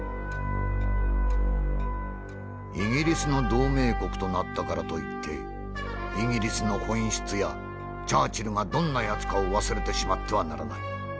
「イギリスの同盟国となったからといってイギリスの本質やチャーチルがどんなやつかを忘れてしまってはならない。